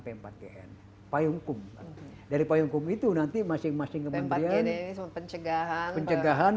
p empat gn payungkum dari payungkum itu nanti masing masing kementerian pencegahan pencegahan